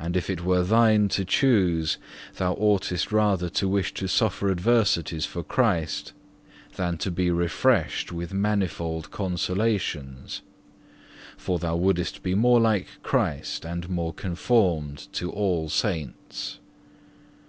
And if it were thine to choose, thou oughtest rather to wish to suffer adversities for Christ, than to be refreshed with manifold consolations, for thou wouldest be more like Christ and more conformed to all saints.